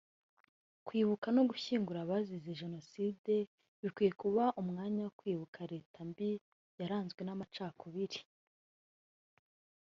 Kwibuka no gushyingura abazize Jenoside bikwiye kuba umwanya wo kwibuka Leta mbi yaranzwe n’amacakubiri